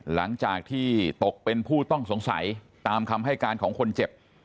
หลังจากที่ตกเป็นผู้ต้องสงสัยตามคำให้การของคนเจ็บ